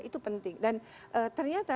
itu penting dan ternyata